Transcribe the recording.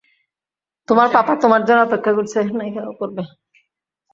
তোমার পাপা তোমার জন্য অপেক্ষা করছে।